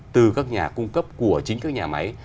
từ các nhà cung cấp của chính các nhà máy